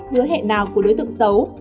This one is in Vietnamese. hứa hẹn nào của đối tượng xấu